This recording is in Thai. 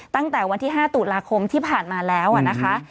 ตั้งแต่วันที่๕ตุลาคมที่ผ่านมาแล้วนะคะ